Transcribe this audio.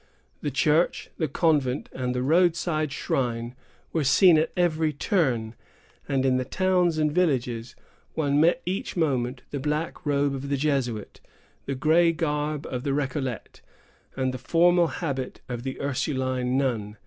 The church, the convent, and the roadside shrine were seen at every turn; and in the towns and villages, one met each moment the black robe of the Jesuit, the gray garb of the Recollet, and the formal habit of the Ursuline nun.